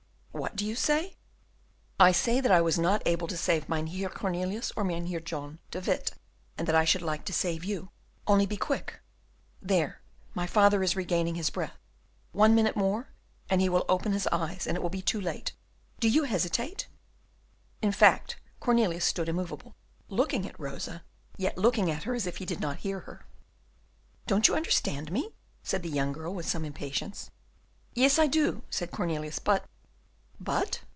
"What do you say?" "I say that I was not able to save Mynheer Cornelius or Mynheer John de Witt, and that I should like to save you. Only be quick; there, my father is regaining his breath, one minute more, and he will open his eyes, and it will be too late. Do you hesitate?" In fact, Cornelius stood immovable, looking at Rosa, yet looking at her as if he did not hear her. "Don't you understand me?" said the young girl, with some impatience. "Yes, I do," said Cornelius, "but " "But?"